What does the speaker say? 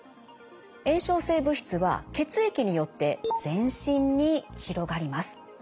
炎症性物質は血液によって全身に広がります。